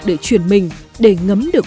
để chuyển mình để ngắm được